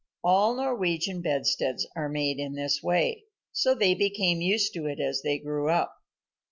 All Norwegian bedsteads are made in this way, so they became used to it as they grew up.